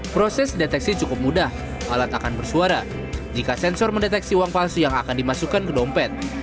proses deteksi cukup mudah alat akan bersuara jika sensor mendeteksi uang palsu yang akan dimasukkan ke dompet